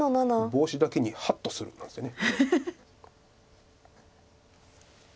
「ボウシ」だけに「ハッと」するんですよね。